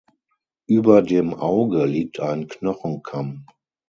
Über dem Auge liegt ein Knochenkamm.